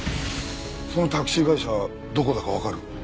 そのタクシー会社どこだかわかる？